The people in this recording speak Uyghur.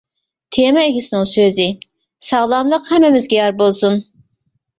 تېما ئىگىسىنىڭ سۆزى : ساغلاملىق ھەممىمىزگە يار بولسۇن!